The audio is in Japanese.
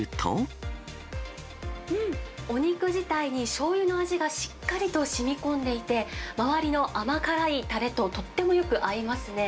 お肉自体にしょうゆの味がしっかりとしみこんでいて、周りの甘辛いたれと、とってもよく合いますね。